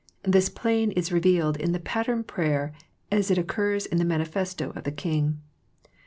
This plane is revealed in the pattern prayer as it oc curs in the Manifesto of the King.